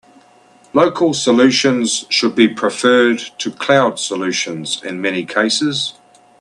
Local solutions should be preferred to cloud solutions in many cases.